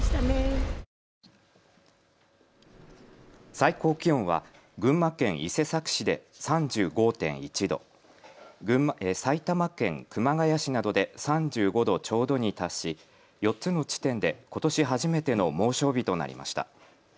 最高気温は群馬県伊勢崎市で３５．１度、埼玉県熊谷市などで３５度ちょうどに達し４つの地点でことし初めての猛暑日となりました。